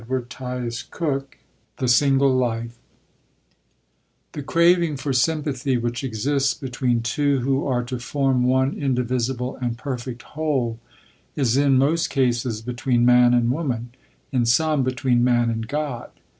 CHAPTER VII THE SINGLE LIFE The craving for sympathy, which exists between two who are to form one indivisible and perfect whole, is in most cases between man and woman, in some between man and God.